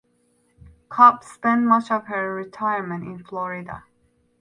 Cobb spent much of her retirement in Florida.